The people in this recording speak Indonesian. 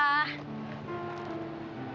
sampai jumpa lagi